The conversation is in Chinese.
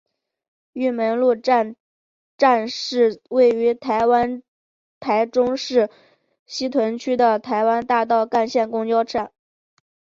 玉门路站站是位于台湾台中市西屯区的台湾大道干线公车站。